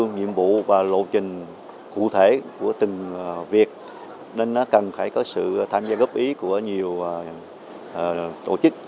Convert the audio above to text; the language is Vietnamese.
nhiệm vụ và lộ trình cụ thể của từng việc nên nó cần phải có sự tham gia góp ý của nhiều tổ chức